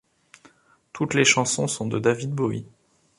Toutes les chansons sont de David Bowie.